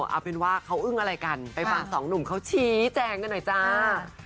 เอาเป็นว่าเขาอึ้งอะไรกันไปฟังสองหนุ่มเขาชี้แจงกันหน่อยจ้า